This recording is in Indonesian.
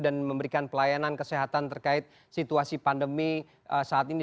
dan memberikan pelayanan kesehatan terkait situasi pandemi saat ini